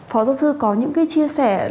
phó giáo sư có những cái chia sẻ